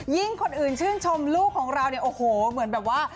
ยิ่งคนอื่นชื่นชมลูกของเรา